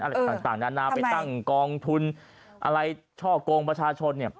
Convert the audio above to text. อะไรต่างนานาไปตั้งกองทุนอะไรช่อกงประชาชนเนี่ย